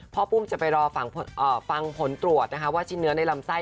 ปุ้มจะไปรอฟังผลตรวจนะคะว่าชิ้นเนื้อในลำไส้